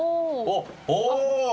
あっああ。